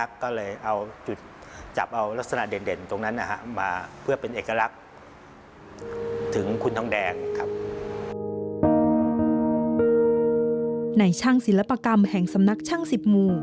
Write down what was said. ขำแห่งสำนักชั่งสิบหมู่